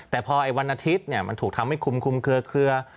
แต่พอวันอาทิตย์มันถูกทำให้คุมเคลือ